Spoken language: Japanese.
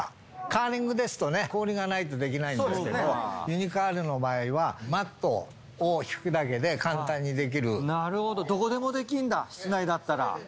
カーリングですとね、氷がないとできないんですけど、ユニカールの場合は、マットを敷なるほど、どこでもできるんだ、室内だったら。